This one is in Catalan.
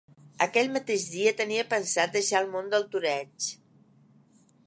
Aquell mateix dia tenia pensat deixar el món del toreig.